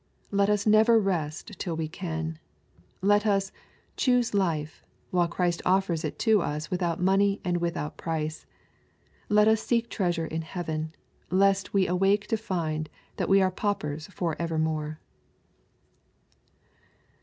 Let us never rest till we can. Let us "choose life/' while Christ offers it to us with out money and without price. Let us seek treasure in heaven, lest we awake to find that we are paupers for evermore.